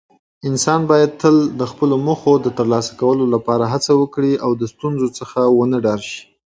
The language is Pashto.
زموږ د کلي په شته پټي کې د غنمو وږي د باد په لګيدو سره داسې ښکاري، لکه د سرو زرو څپې چې په يوه لوی سمندر کې په زانګو وي